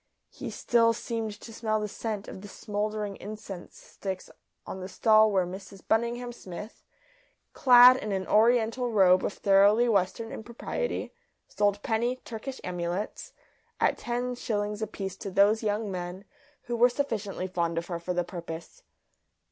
He still seemed to smell the scent of the smouldering incense sticks on the stall where Mrs Bunningham Smythe, clad in an Oriental robe of thoroughly Western impropriety, sold penny "Turkish Amulets" at ten shillings apiece to those young men who were sufficiently fond of her for the purpose.